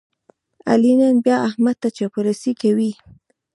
علي نن بیا احمد ته چاپلوسي کوي.